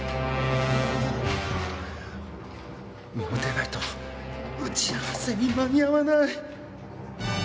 もう出ないと打ち合わせに間に合わない。